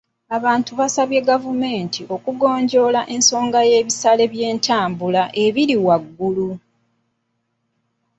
Abantu baasabye gavumenti okugonjoola ensonga y'ebisale by'entambula ebiri waggulu.